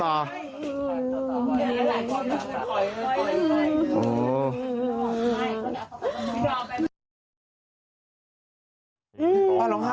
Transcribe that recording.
ป้าร้องไห้หรอป้าร้องไห้